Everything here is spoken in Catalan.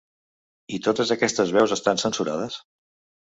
I totes aquestes veus estan censurades?